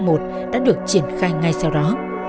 chuyên án f một một đã được triển khai ngay sau đó